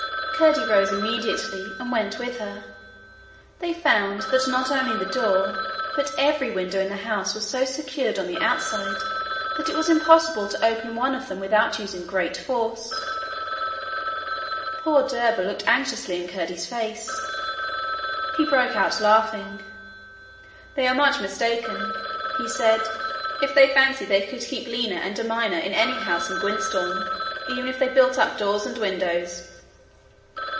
Curdie rose immediately and went with her: they found that not only the door, but every window in the house was so secured on the outside that it was impossible to open one of them without using great force. Poor Derba looked anxiously in Curdie's face. He broke out laughing. 'They are much mistaken,' he said, 'if they fancy they could keep Lina and a miner in any house in Gwyntystorm even if they built up doors and windows.'